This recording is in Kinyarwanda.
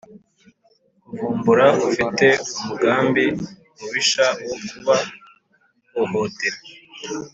kuvumbura ufite umugambi mubisha wo kubahohotera